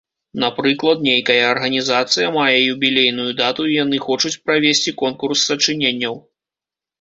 Напрыклад, нейкая арганізацыя мае юбілейную дату і яны хочуць правесці конкурс сачыненняў.